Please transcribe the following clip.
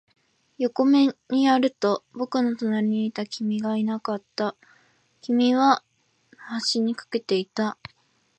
横に目をやると、僕の隣にいた君がいなかった。君は生垣の端に駆けていた。